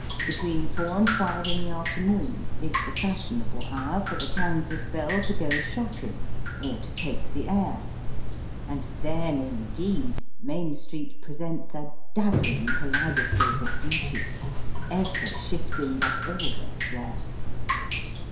Between four and five in the afternoon is the fashionable hour for the Kansas belle to go shopping, or to take the air, and then, indeed, Main Street presents a dazzling kaleidoscope of beauty, ever shifting, but always rare.